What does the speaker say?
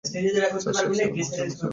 চাষার ছেলে, মহাশূন্যে চাষবাস করি?